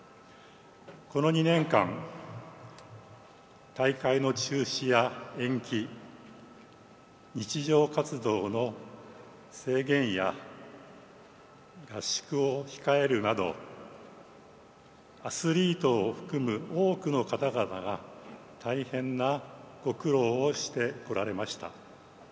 この２年間、大会の中止や延期日常活動の制限や合宿を控えるなどアスリートを含む多くの方々が大変なご苦労をしてこられました。